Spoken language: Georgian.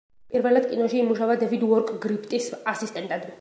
პირველად კინოში იმუშავა დევიდ უორკ გრიფიტის ასისტენტად.